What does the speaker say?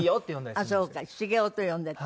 あっそうか「茂雄」と呼んでる。